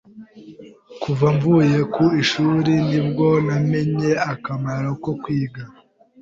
Kuva mvuye ku ishuri ni bwo namenye akamaro ko kwiga.